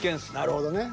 なるほどね。